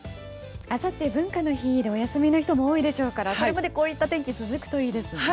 あさって文化の日でお休みの人も多いでしょうからそれまで、こういった天気が続くといいですね。